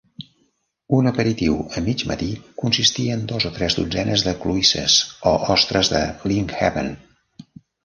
Un aperitiu a mig matí consistia en "dos o tres dotzenes de cloïsses o ostres de Lynnhaven".